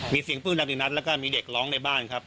มีเสียงปืนนัดแล้วก็มีเด็กร้องในบ้านครับ